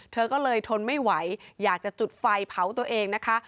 เธอก็เลยทนไม่ไหวอยากจะจุดไฟเผาตัวเองนะคะ